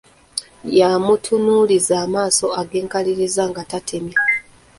Yamutunuuliza amaaso ag’enkaliriza nga tatemya.